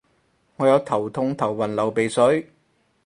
我有頭痛頭暈流鼻水